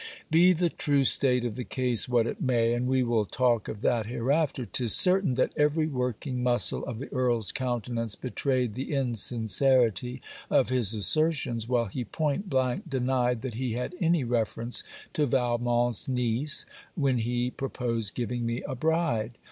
Be the true state of the case what it may (and we will talk of that hereafter) 'tis certain that every working muscle of the Earl's countenance betrayed the insincerity of his assertions, while he point blank denied that he had any reference to Valmont's niece when he proposed giving me a bride.